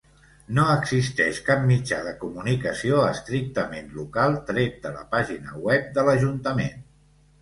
No existeix cap mitjà de comunicació estrictament local tret de la pàgina web de l'Ajuntament.